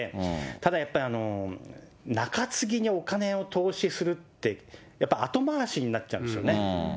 ただやっぱり、中継ぎにお金を投資するって、やっぱり後回しになっちゃうんですよね。